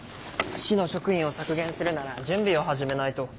市の職員を削減するなら準備を始めないと。